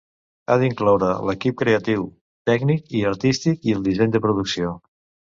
Ha d'incloure l'equip creatiu, tècnic i artístic i el disseny de producció.